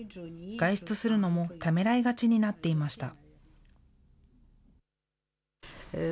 外出するのもためらいがちになっていました。